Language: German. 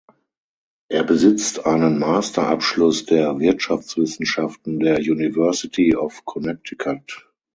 Er besitzt einen Master-Abschluss der Wirtschaftswissenschaften der University of Connecticut.